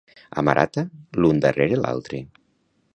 A Marata, l'un darrere l'altre